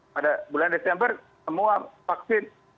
pada bulan desember semua vaksin